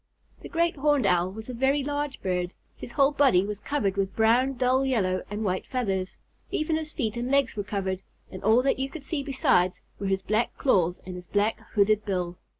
The Great Horned Owl was a very large bird. His whole body was covered with brown, dull yellow, and white feathers. Even his feet and legs were covered, and all that you could see besides were his black claws and his black hooked bill.